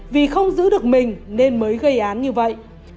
vì không giữ được mình nên mới gây án như vậy